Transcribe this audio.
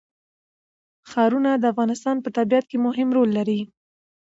ښارونه د افغانستان په طبیعت کې مهم رول لري.